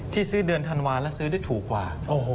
ที่ซื้อเดือนธันวาลแล้วซื้อถูกกว่า